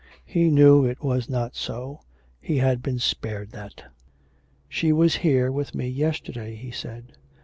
He knew it was not so. He had been spared that! 'She was here with me yesterday,' he said.